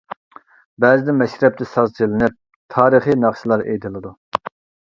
بەزىدە مەشرەپتە ساز چېلىنىپ، تارىخىي ناخشىلار ئېيتىلىدۇ.